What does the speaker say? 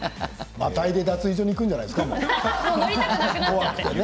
またいで脱衣所に行くんじゃないですか。